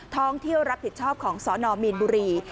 ท่องเที่ยวรับผิดชอบของสนมีนบุรี